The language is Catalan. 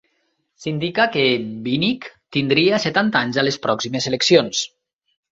S'indica que Vinick tindria setanta anys a les pròximes eleccions.